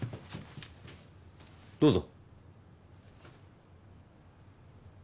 どうぞ。